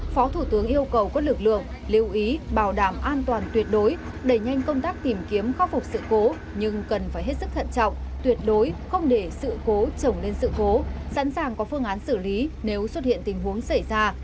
phó thủ tướng yêu cầu các lực lượng lưu ý bảo đảm an toàn tuyệt đối đẩy nhanh công tác tìm kiếm khó phục sự cố nhưng cần phải hết sức thận trọng tuyệt đối không để sự cố trồng lên sự cố sẵn sàng có phương án xử lý nếu xuất hiện tình huống xảy ra